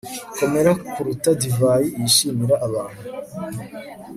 Komera kuruta divayi yishimira abantu